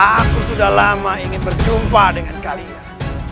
aku sudah lama ingin berjumpa dengan kalian